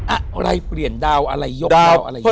อะไรเปลี่ยนดาวอะไรยกดาวอะไรยกดาว